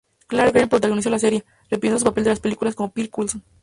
Clark Gregg protagoniza la serie, repitiendo su papel de las películas como Phil Coulson.